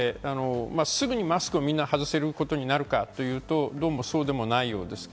すぐにマスクをみんな外せることになるかっていうと、どうも、そうではないようです。